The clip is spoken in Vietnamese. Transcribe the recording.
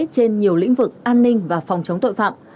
trên nhiều lĩnh vực an ninh và phòng chống tội phạm